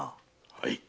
はい。